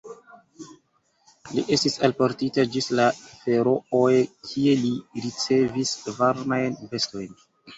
Li estis alportita ĝis la Ferooj kie li ricevis varmajn vestojn.